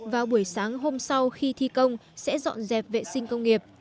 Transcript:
vào buổi sáng hôm sau khi thi công sẽ dọn dẹp vệ sinh công nghiệp